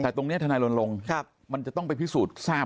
แต่ตรงนี้ทนายรณรงค์มันจะต้องไปพิสูจน์ทราบ